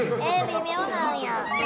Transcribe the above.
微妙なんや。